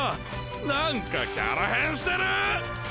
なんかキャラ変してるー！